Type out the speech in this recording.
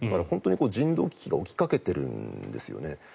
本当に人道危機が起きかけているんですよね。